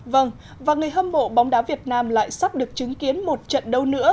vâng và người hâm mộ bóng đá việt nam lại sắp được chứng kiến một trận đấu nữa